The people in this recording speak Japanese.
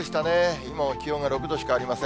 今も気温が６度しかありません。